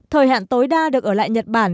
thời hạn tối đa được ở lại nhật bản